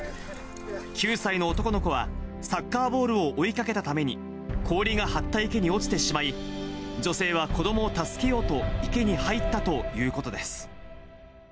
９歳の男の子は、サッカーボールを追いかけたために、氷が張った池に落ちてしまい、女性は子どもを助けようと、池に入ったということです。